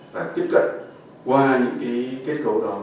và tiếp cận qua những kết cấu đó